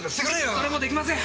それもできません！